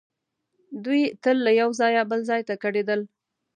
دوی تل له یو ځایه بل ځای ته کډېدل.